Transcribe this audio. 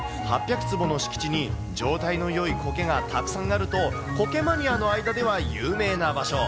８００坪の敷地に、状態のよいコケがたくさんあると、コケマニアの間では有名な場所。